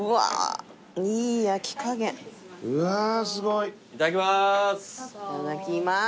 いただきまーす。